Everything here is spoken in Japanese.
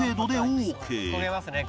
「焦げますね